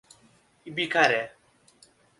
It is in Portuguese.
Ibicaré